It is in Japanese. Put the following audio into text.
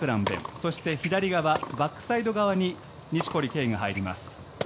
そして左側、バックサイド側に錦織圭が入ります。